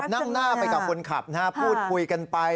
นั่งหน้าไปกับคนขับนะฮะพูดคุยกันไป